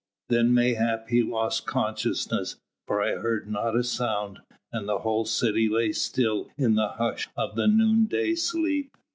Then mayhap he lost consciousness for I heard not a sound, and the whole city lay still in the hush of the noonday sleep.